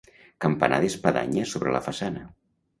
Campanar d'espadanya sobre la façana.